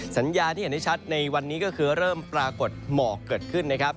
สัญญาที่เห็นได้ชัดในวันนี้ก็คือเริ่มปรากฏหมอกเกิดขึ้นนะครับ